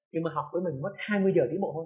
nhưng mà học với mình mất hai mươi giờ tiến bộ thôi